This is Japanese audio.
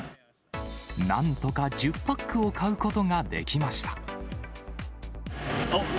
なんとか１０パックを買うことができました。